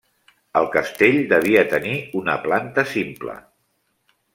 El castell devia tenir una planta simple.